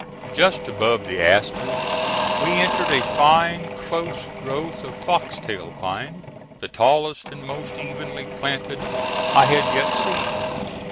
Just above the aspens we entered a fine, close growth of foxtail pine, the tallest and most evenly planted I had yet seen.